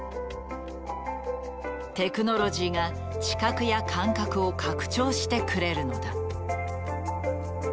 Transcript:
テクノロジーが知覚や感覚を拡張してくれるのだ。